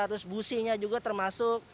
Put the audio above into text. terus businya juga termasuk